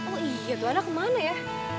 oh iya tuh anak kemana ya